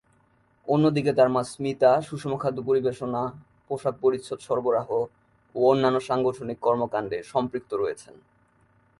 অন্যদিকে তার মা স্মিতা সুষম খাদ্য পরিবেশনা, পোশাক-পরিচ্ছদ সরবরাহ ও অন্যান্য সাংগঠনিক কর্মকাণ্ডে সম্পৃক্ত রয়েছেন।